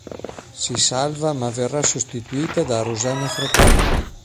Si salva ma verrà sostituita da Rosanna Fratello.